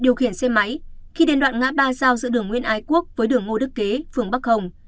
điều khiển xe máy khi đến đoạn ngã ba giao giữa đường nguyên ái quốc với đường ngô đức kế phường bắc hồng